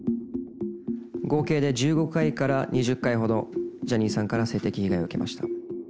合計で１５回から２０回ほど、ジャニーさんから性的被害を受けました。